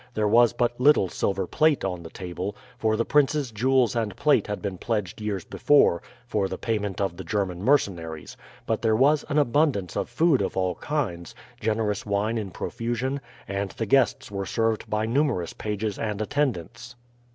There was but little silver plate on the table, for the prince's jewels and plate had been pledged years before for the payment of the German mercenaries; but there was an abundance of food of all kinds, generous wine in profusion, and the guests were served by numerous pages and attendants.